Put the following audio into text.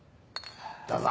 どうぞ。